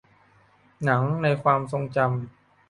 หนังในความทรงจำ